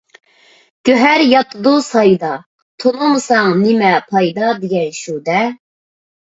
«گۆھەر ياتىدۇ سايدا، تونۇمىساڭ نېمە پايدا» دېگەن شۇ-دە.